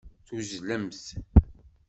Tuzzlemt.